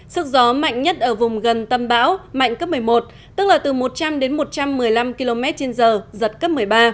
sức gió mạnh nhất ở vùng gần tâm bão mạnh cấp một mươi một tức là từ một trăm linh đến một trăm một mươi năm km trên giờ giật cấp một mươi ba